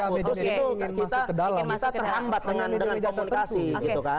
terus itu kita terhambat dengan komunikasi gitu kan